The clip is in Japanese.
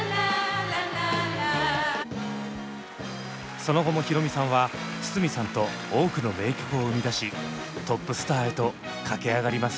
その後も宏美さんは筒美さんと多くの名曲を生み出しトップスターへと駆け上がります。